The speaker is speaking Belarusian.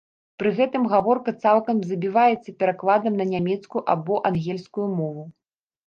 Пры гэтым гаворка цалкам забіваецца перакладам на нямецкую або ангельскую мову.